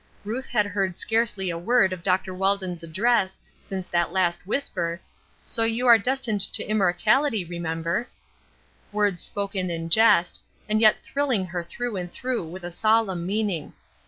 Ruth had heard scarcely a word of Dr. Walden's address since that last whisper, "So you are destined to immortality, remember." Words spoken in jest, and yet thrilling her through and through with a solemn meaning.